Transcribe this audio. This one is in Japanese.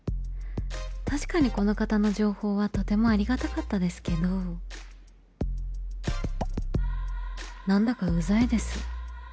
確かにこの方の情報はとてもありがたかったですけどなんだかうざいです